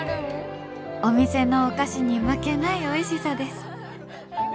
「お店のお菓子に負けないおいしさです」。